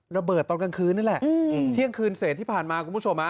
ระเบิดตอนกลางคืนนั่นแหละอืมที่กลางคืนเสร็จที่ผ่านมาคุณผู้ชมฮะ